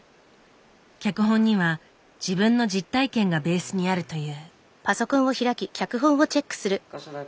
脚本には自分の実体験がベースにあるという。